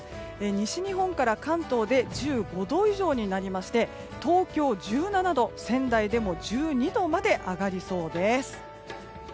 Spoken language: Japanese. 西日本から関東で１５度以上になりまして東京は１７度、仙台でも１２度まで上がりそうです。